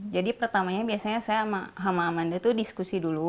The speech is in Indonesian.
jadi pertamanya biasanya saya sama amanda tuh diskusi dulu